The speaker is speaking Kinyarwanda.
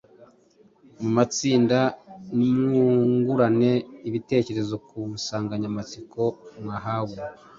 Mu matsinda, nimwungurane ibitekerezo ku nsanganyamatsiko mwahawe,